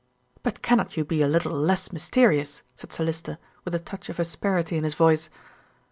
"But cannot you be a little less mysterious?" said Sir Lyster, with a touch of asperity in his voice.